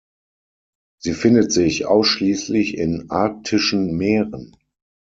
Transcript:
Sie findet sich ausschließlich in arktischen Meeren.